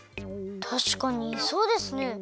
たしかにそうですね。